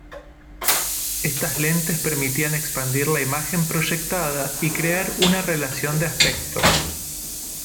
Estas lentes permitían expandir la imagen proyectada y crear una relación de aspecto.